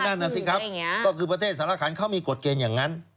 นั่นน่ะสิครับก็คือประเทศสารคันเขามีกฎเกณฑ์อย่างนั้น